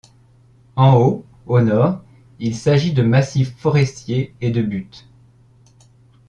En haut, au nord, il s'agit de massifs forestiers et de buttes.